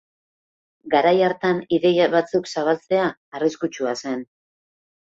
Garai hartan ideia batzuk zabaltzea arriskutsua zen.